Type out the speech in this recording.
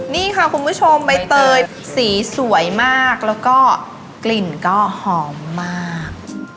นี่ค่ะคุณผู้ชมใบเตยสีสวยมากแล้วก็กลิ่นก็หอมมาก